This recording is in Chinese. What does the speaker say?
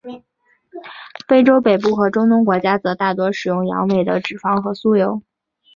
非洲北部和中东国家则大多使用羊尾的脂肪和酥油。